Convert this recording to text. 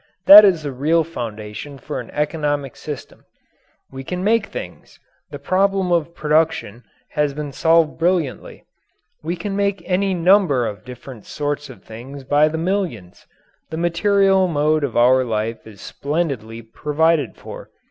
That is the real foundation for an economic system. We can make things the problem of production has been solved brilliantly. We can make any number of different sort of things by the millions. The material mode of our life is splendidly provided for.